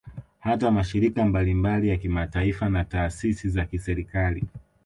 Hata mashirika mbalimbali ya kimataifa na taasisi za kiserikali